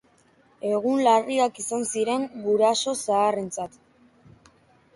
Egun larriak izan ziren guraso zaharrentzat.